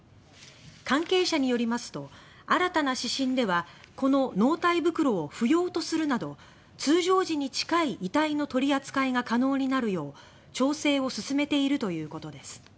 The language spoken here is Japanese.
関係者によりますと新たな指針ではこの納体袋を不要とするなど通常時に近い遺体の取り扱いが可能になるよう調整を進めているということです。